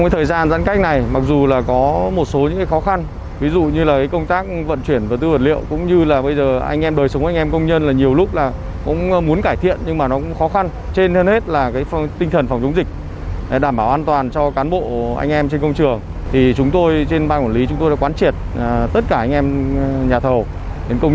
trong thời gian giãn cách xã hội dự án cầu vĩnh tuy hai đã tổ chức cho cán bộ công nhân thực hiện chính sách làm